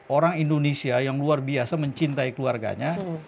orang indonesia yang luar biasa mencintai keluarganya